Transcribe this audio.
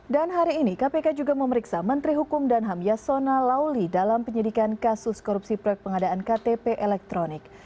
dan hari ini kpk juga memeriksa menteri hukum dan ham yasona lauli dalam penyelidikan kasus korupsi proyek pengadaan ktp elektronik